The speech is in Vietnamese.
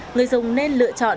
người dùng nên lựa chọn